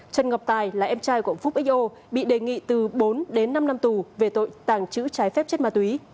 trần ngọc tài là em trai của phúc xo bị đề nghị từ bốn đến năm năm tù về tội tàng trữ trái phép chất ma túy